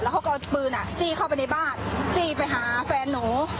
เขาก็เอาปืนจี้เข้าไปในบ้านจี้ไปหาแฟนหนู